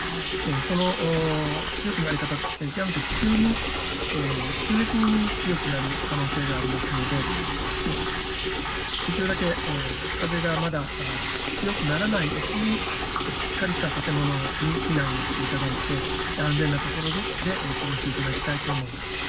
その強くなり方、極めて急に、急激に強くなる可能性がありますので、できるだけ風がまだ強くならないうちに、しっかりした建物に避難をしていただいて、安全な所で過ごしていただきたいと思います。